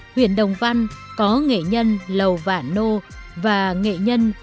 huyện đồng văn có nghệ nhân mua vả xính